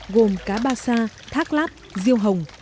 gồm cá ba sa thác lát riêu hồng